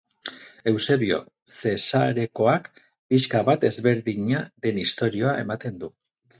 Eusebio Zesareakoak, pixka bat ezberdina den istorioa ematen du.